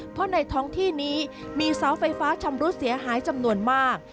เพราะในท้องที่นี้มีเสาไฟฟ้าชำรุดเสียหายจำนวนมาก